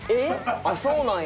あっそうなんや。